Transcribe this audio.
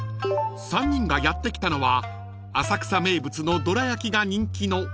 ［３人がやって来たのは浅草名物のどら焼きが人気の］